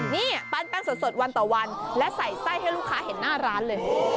นี่ปั้นแป้งสดวันต่อวันและใส่ไส้ให้ลูกค้าเห็นหน้าร้านเลย